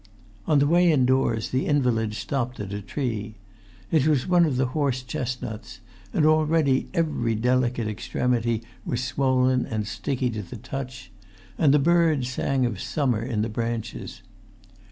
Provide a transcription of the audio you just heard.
On the way indoors, the invalid stopped at a tree. It was one of the horse chestnuts; and already every delicate extremity was swollen and sticky to the touch; and the birds sang of summer in the[Pg 229] branches.